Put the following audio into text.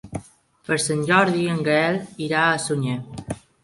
Per Sant Jordi en Gaël irà a Sunyer.